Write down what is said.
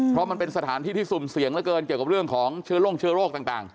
เพราะมันเป็นสถานที่ที่สุ่มเสี่ยงเหลือเกินเกี่ยวกับเรื่องของเชื้อโรคเชื้อโรคต่าง